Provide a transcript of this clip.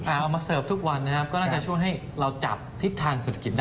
เอามาเสิร์ฟทุกวันนะครับก็น่าจะช่วยให้เราจับทิศทางเศรษฐกิจได้